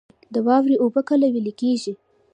د واورې اوبه کله ویلی کیږي؟